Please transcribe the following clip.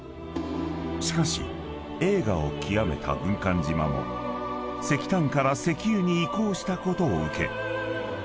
［しかし栄華を極めた軍艦島も石炭から石油に移行したことを受け］